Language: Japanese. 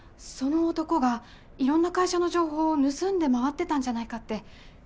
その男がいろんな会社の情報を盗んで回ってたんじゃないかって。